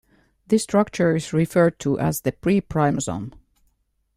This structure is referred to as the pre-primosome.